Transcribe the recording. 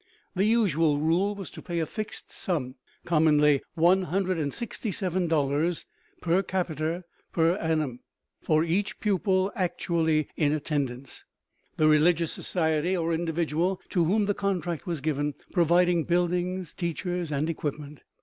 The usual rule was to pay a fixed sum (commonly $167 per capita per annum) for each pupil actually in attendance, the religious society or individual to whom the contract was given providing buildings, teachers, and equipment.